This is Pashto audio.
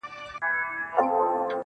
گوره په ما باندي ده څومره خپه.